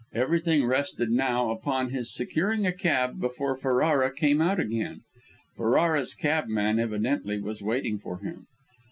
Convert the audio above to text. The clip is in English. Everything rested, now, upon his securing a cab before Ferrara came out again. Ferrara's cabman, evidently, was waiting for him.